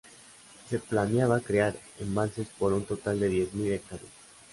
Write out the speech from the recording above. Se planeaba crear embalses por un total de diez mil hectáreas.